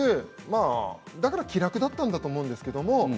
だから気楽だったと思うんですけれど。